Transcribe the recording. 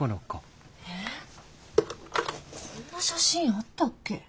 こんな写真あったっけ？